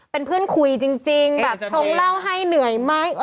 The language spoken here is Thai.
เป็นเพื่อนคุยจริงแบบชงเหล้าให้เหนื่อยไหม